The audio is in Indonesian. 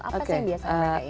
apa sih yang biasa mereka ini